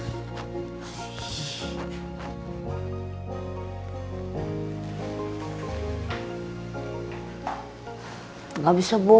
bang kalau ini ngomong ke adamnya